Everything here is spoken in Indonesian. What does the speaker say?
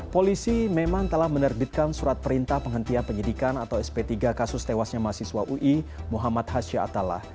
polisi memang telah menerbitkan surat perintah penghentian penyidikan atau sp tiga kasus tewasnya mahasiswa ui muhammad hasya atallah